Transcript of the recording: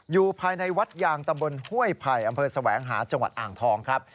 อยู่ภายในวัดยางตำบลห้วยไผ่อำเภอแสวงหาจังหวัดอ่างทองครับ